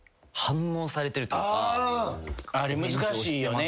あれ難しいよね。